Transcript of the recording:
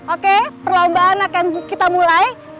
oke perlombaan akan kita mulai